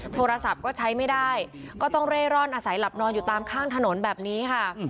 โทรศัพท์ก็ใช้ไม่ได้ก็ต้องเร่ร่อนอาศัยหลับนอนอยู่ตามข้างถนนแบบนี้ค่ะ